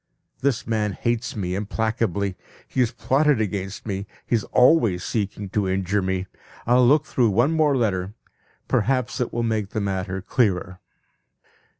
This man hates me implacably; he has plotted against me, he is always seeking to injure me. I'll look through one more letter; perhaps it will make the matter clearer.